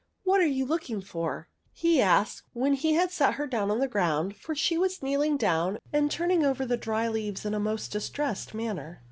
'* What are you looking for ?" he asked, when he had set her on the ground, for she was kneeling down and turning over the dry leaves in a most distressed manner.